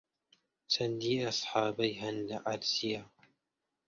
چەندی ئەسحابەی هەن لە عەرزییە